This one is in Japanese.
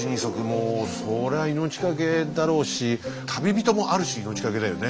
もうそりゃ命がけだろうし旅人もある種命がけだよね。